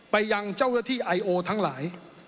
ไปยังเจ้าอาทิตย์ไอโอทั้งหลาย